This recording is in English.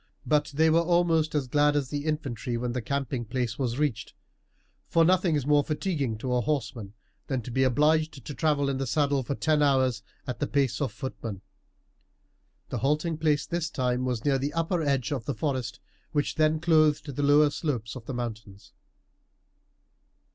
But they were almost as glad as the infantry when the camping place was reached, for nothing is more fatiguing to a horseman than to be obliged to travel in the saddle for ten hours at the pace of footmen. The halting place this time was near the upper edge of the forest which then clothed the lower slopes of the mountains.